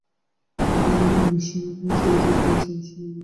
কিন্তু আমরা একাকী, নিঃসঙ্গ, কেবল, সর্বশক্তিমান, সর্বব্যাপী ও সদানন্দ।